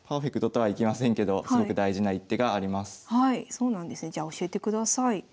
そうなんですねじゃあ教えてください。